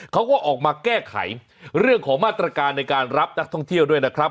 เขาก็ออกมาแก้ไขเรื่องของมาตรการในการรับนักท่องเที่ยวด้วยนะครับ